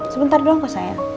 sebentar doang kok sayang